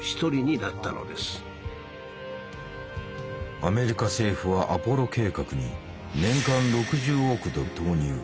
アメリカ政府はアポロ計画に年間６０億ドル投入。